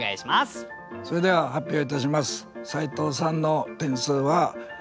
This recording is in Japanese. それでは発表いたします。